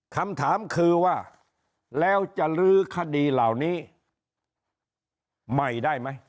คำถามคือว่าแล้วจะลื้อคดีเหล่านี้ใหม่ได้ไหม